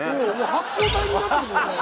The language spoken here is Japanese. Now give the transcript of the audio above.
発光体になってるもん。